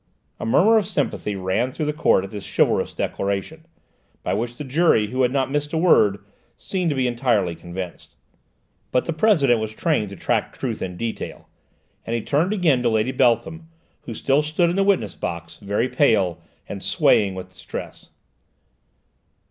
A murmur of sympathy ran through the court at this chivalrous declaration, by which the jury, who had not missed a word, seemed to be entirely convinced. But the President was trained to track truth in detail, and he turned again to Lady Beltham who still stood in the witness box, very pale, and swaying with distress.